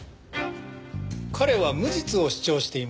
彼は無実を主張しています。